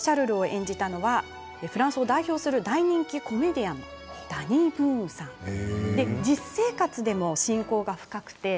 シャルルを演じたのはフランスを代表する大人気コメディアンのダニー・ブーンさんです。